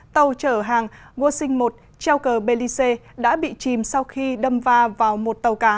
tàu chở hàng washington một treo cờ belize đã bị chìm sau khi đâm va vào một tàu cá